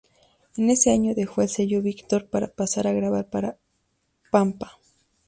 En ese año dejó el sello Víctor para pasar a grabar para Pampa.